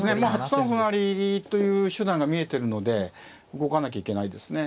８三歩成という手段が見えてるので動かなきゃいけないですね。